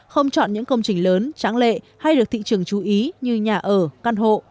không chọn những công trình lớn tráng lệ hay được thị trường chú ý như nhà ở căn hộ